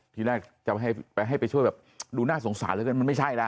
ทีแรกจะให้ไปช่วยแบบดูน่าสงสารแล้วกันมันไม่ใช่แล้ว